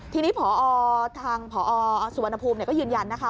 ทีนี้พอทางผอสุวรรณภูมิก็ยืนยันนะคะ